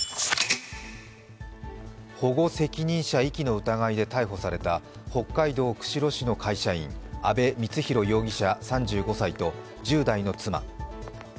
保護責任者遺棄の疑いで逮捕された北海道釧路市の会社員阿部光浩容疑者３５歳と１０代の妻。